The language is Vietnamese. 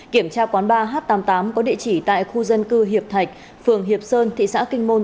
kiểm tra quán ba h tám mươi tám có địa chỉ tại khu dân cư hiệp thạch phường hiệp sơn thị xã kinh môn